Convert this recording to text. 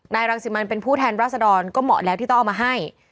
รังสิมันเป็นผู้แทนราษดรก็เหมาะแล้วที่ต้องเอามาให้